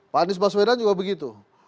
pak anies baswedan juga begitu